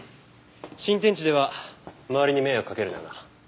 新天地では周りに迷惑かけるなよな。